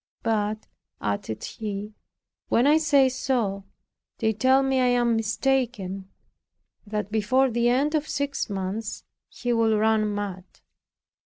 But," added he, "when I say so, they tell me I am mistaken, and that before the end of six months he will run mad."